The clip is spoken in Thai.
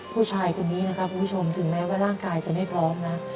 ผู้ชายคนนี้นะครับคุณผู้ชมถึงแม้ว่าร่างกายจะไม่พร้อมนะ